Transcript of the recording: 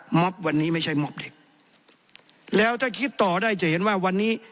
มอบวันนี้ไม่ใช่มอบเด็กแล้วถ้าคิดต่อได้จะเห็นว่าวันนี้